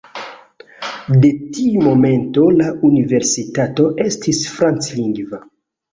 De tiu momento la universitato estis franclingva.